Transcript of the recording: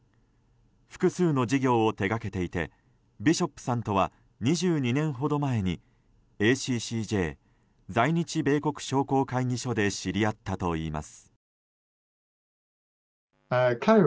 複数の事業を手掛けていてビショップさんとは２２年ほど前にＡＣＣＪ・在日米国商工会議所で知り合ったといいます。